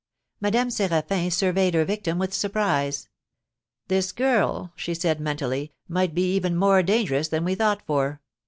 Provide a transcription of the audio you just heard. Madame Séraphin surveyed her victim with surprise. "This girl," said she, mentally, "might be even more dangerous than we thought for.